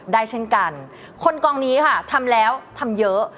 ได้เช่นกันคนกองนี้ค่ะทำแล้วทำเยอะ